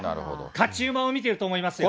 勝ち馬を見てると思いますよ。